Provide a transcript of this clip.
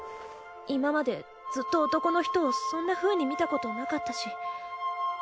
今までずっと男の人をそんなふうに見たことなかったし。